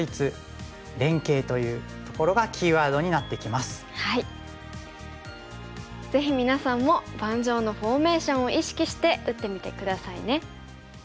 まずはそしてそしてその構えにはぜひみなさんも盤上のフォーメーションを意識して打ってみて下さいね。